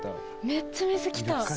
めっちゃ水きた！